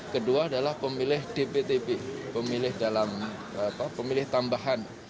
kedua adalah pemilih dptb pemilih dalam pemilih tambahan